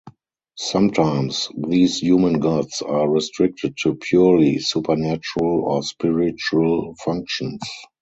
Sometimes these human gods are restricted to purely supernatural or spiritual functions.